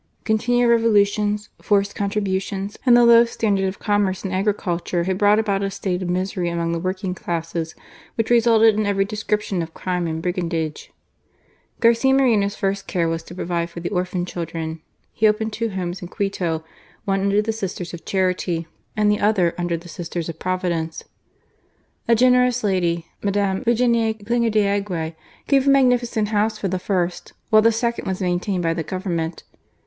Continual Revo ^ Intibnsi jfbrced contributions, and the low standard of commerce and agricnltore had brought about a state of misery among the working classes which resulted in every description of crime and brigandage. Garcia Moreno's first care was to provide for the orphan children. He opened two Homes in Quito, one under the Sisters of Charity, and the other under the Sisters of Providence. A generous lady, Mde. Virginie Klinger d'Aguirre, gave a magnificent house for the first ; while the second was maintained by the Government.